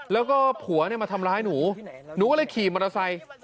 แล้วก็ผัวเนี่ยมาทำร้ายหนูหนูก็เลยขี่มอเตอร์ไซค์